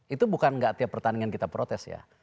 itu bukan nggak tiap pertandingan kita protes ya